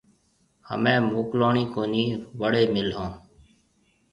هميَ موڪلوڻِي ڪونِي وَڙي ملون